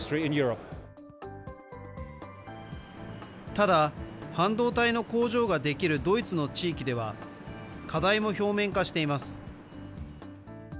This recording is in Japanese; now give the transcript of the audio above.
ただ、半導体の工場が出来るドイツの地域では、課題も表面化しています。